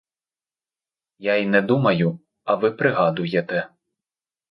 Я й не думаю, а ви пригадуєте.